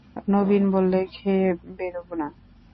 নবীন বললে, খেয়ে বেরোবে না?